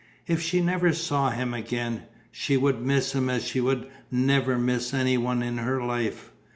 If she never saw him again, she would miss him as she would never miss any one in her life.